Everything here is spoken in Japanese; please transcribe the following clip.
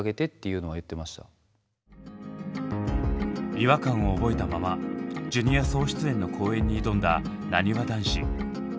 違和感を覚えたままジュニア総出演の公演に挑んだなにわ男子。